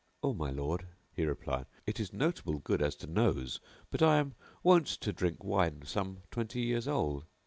"O my lord," he replied, "it is notable good as to nose but I am wont to drink wine some twenty years old."